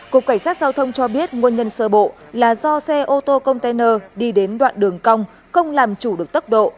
cục cảnh sát giao thông cho biết nguồn nhân sơ bộ là do xe ô tô container đi đến đoạn đường cong không làm chủ được tốc độ